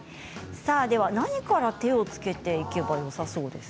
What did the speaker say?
さあ、何から手を付けていけばよさそうですか。